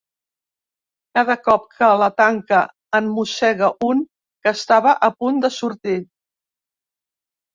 Cada cop que la tanca en mossega un que estava a punt de sortir.